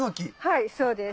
はいそうです。